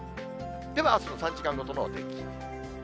ではあすの３時間ごとのお天気。